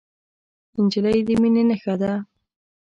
نجلۍ د مینې نښه ده.